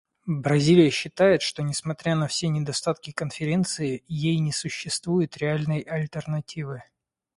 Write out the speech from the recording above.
Бразилия считает, что, несмотря на все недостатки Конференции, ей не существует реальной альтернативы.